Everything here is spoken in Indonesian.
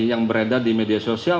yang beredar di media sosial